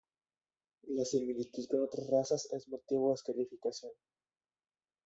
La similitud con otras razas es motivo de descalificación.